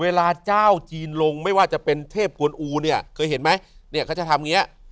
เวลาเจ้าจีนลงไม่ว่าจะเป็นเทพกวนอูเนี่ยเคยเห็นไหมเนี่ยเขาจะทำอย่างเงี้ย